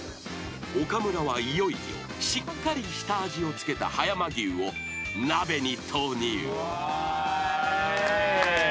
［岡村はいよいよしっかり下味を付けた葉山牛を鍋に投入］